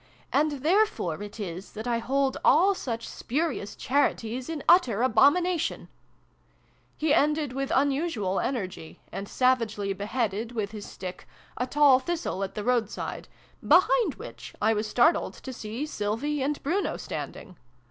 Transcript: And there fore it is that I hold all such spurious ' Charities ' in utter abomination !" He ended in] STREAKS OF DAWN. 47 with unusual energy, and savagely beheaded, with his stick, a tall thistle at the road side, behind which I was startled to see Sylvie and Bruno standing.